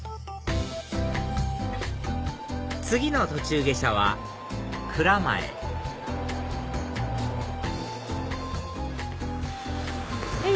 次の途中下車は蔵前へい。